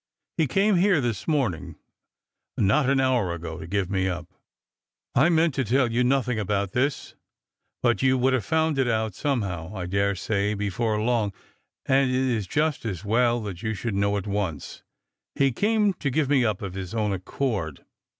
He came here this morning, not an hour ago, to give me up. I meant to tell you nothing about this ; but you would have found it out somehow, I daresay, be fore long, and it is just as well you should know at once. He came to give me up, of his own accord.